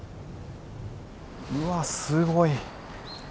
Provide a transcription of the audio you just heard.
うわっすごい。